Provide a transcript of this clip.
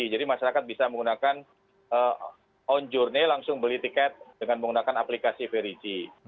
jadi masyarakat bisa menggunakan on journey langsung beli tiket dengan menggunakan aplikasi verig